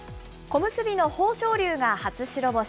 小結の豊昇龍が初白星。